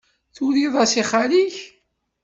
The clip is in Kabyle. Turiḍ-as i xali-k?